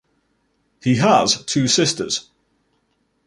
He has two sisters.